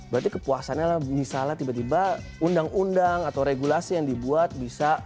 berarti kepuasannya misalnya tiba tiba undang undang atau regulasi yang dibuat bisa